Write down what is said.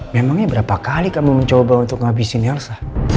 memangnya berapa kali kamu mencoba untuk menghabisin elsa